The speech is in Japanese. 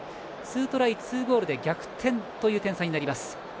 ２トライ２ゴールで逆転という点差になります。